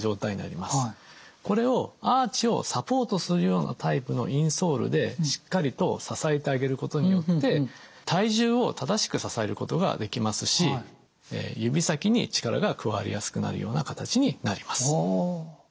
これをアーチをサポートするようなタイプのインソールでしっかりと支えてあげることによって体重を正しく支えることができますし指先に力が加わりやすくなるような形になります。